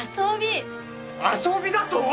遊びだとぉ！？